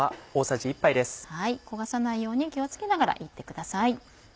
焦がさないように気を付けながら炒ってください。